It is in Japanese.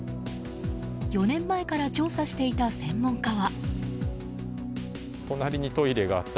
４年前から調査していた専門家は。